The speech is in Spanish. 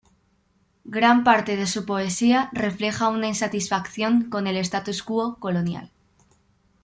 Gran parte de su poesía refleja una insatisfacción con el "status quo" colonial.